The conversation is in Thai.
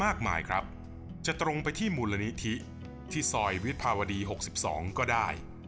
มากมายครับจะตรงไปที่มูลนิธิที่ซอยวิภาวดี๖๒ก็ได้